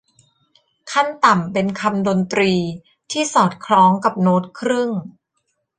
ขั้นต่ำเป็นคำดนตรีที่สอดคล้องกับโน๊ตครึ่ง